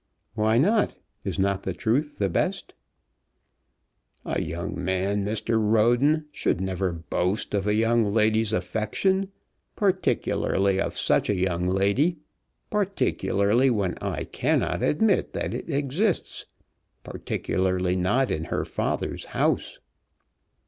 "Why not? Is not the truth the best?" "A young man, Mr. Roden, should never boast of a young lady's affection, particularly of such a young lady; particularly when I cannot admit that it exists; particularly not in her father's house."